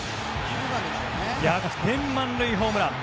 逆転満塁ホームラン。